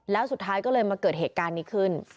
แล้วสุดท้ายก็เลยมาเกิดเหตุการณ์นี้ขึ้น